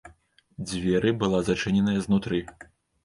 Дзверы была зачыненая знутры.